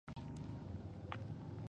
دې وويل ما ټنګور ولېږئ.